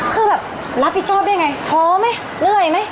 คือแบบรับผิดชอบได้ไงท้อไหมเรื่อยไหม